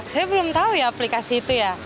saya belum tahu ya aplikasi itu ya